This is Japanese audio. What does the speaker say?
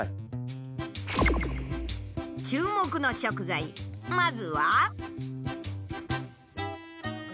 注目の食材まずは。